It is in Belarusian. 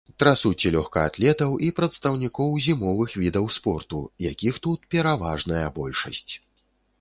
Трасуць і лёгкаатлетаў, і прадстаўнікоў зімовых відаў спорту, якіх тут пераважная большасць.